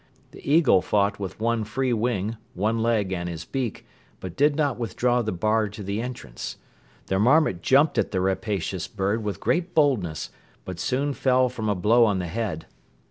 The eagle fought with one free wing, one leg and his beak but did not withdraw the bar to the entrance. The marmot jumped at the rapacious bird with great boldness but soon fell from a blow on the head.